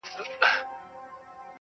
سرې سونډي دي یاره له شرابو زوروري دي,